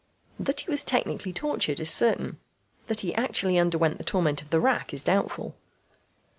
That he was technically tortured is certain; that he actually underwent the torment of the rack is doubtful.